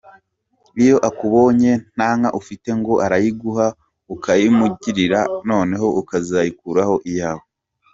Iyo akubonye nta nka ufite ngo arayiguha ukayimuragirira noneho ukazakuraho iyawe.